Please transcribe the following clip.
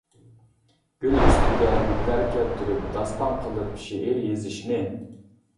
گۈل ئۈستىگە گۈللەر كەلتۈرۈپ، داستان قىلىپ شېئىر يېزىشنى.